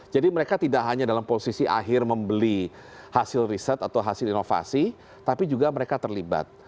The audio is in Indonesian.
mereka tidak hanya dalam posisi akhir membeli hasil riset atau hasil inovasi tapi juga mereka terlibat